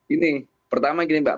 ini pertama gini mbak